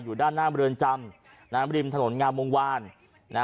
อยู่ด้านหน้าเมืองจำน้ำริมถนนงามวงวาน